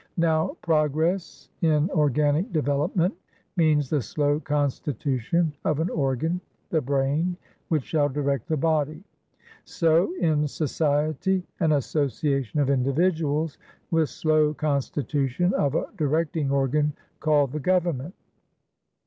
Now, progress in organic development means the slow constitution of an organthe brainwhich shall direct the body. So in societyan association of individuals, with slow constitution of a directing organ, called the Government.